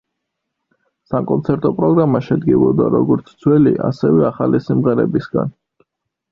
საკონცერტო პროგრამა შედგებოდა როგორც ძველი, ასევე ახალი სიმღერებისგან.